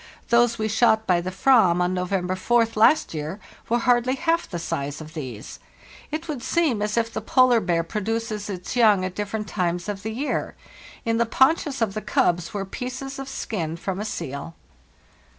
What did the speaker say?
Those we shot by the "vam on November 4th last year were hardly half the size of these. It would seem as if the polar bear produces its young at different times of the year. In the paunches of the cubs were pieces of skin from a seal.